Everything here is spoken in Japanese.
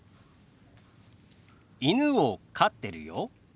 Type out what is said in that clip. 「犬を飼ってるよ」。